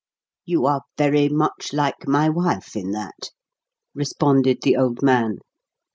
"You are very much like my wife in that," responded the old man.